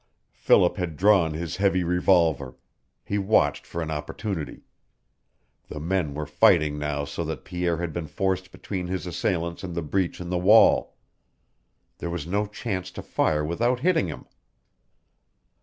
Philip had drawn his heavy revolver. He watched for an opportunity. The men were fighting now so that Pierre had been forced between his assailants and the breach in the wall. There was no chance to fire without hitting him.